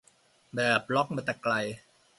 แบบล็อกมาแต่ไกล